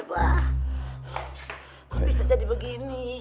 kok bisa jadi begini